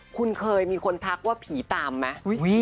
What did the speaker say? คุณเคยมีคนทักว่าผีตามไหม